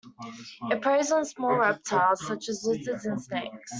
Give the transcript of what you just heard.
It preys on small reptiles, such as lizards and snakes.